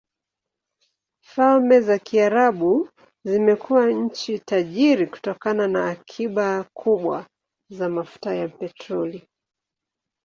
Falme za Kiarabu zimekuwa nchi tajiri kutokana na akiba kubwa za mafuta ya petroli.